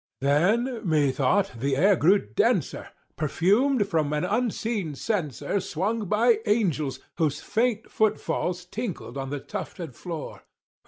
Then, methought, the air grew denser, perfumed from an unseen censer Swung by Angels whose faint foot falls tinkled on the tufted floor.